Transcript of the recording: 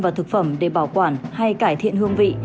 và thực phẩm để bảo quản hay cải thiện hương vị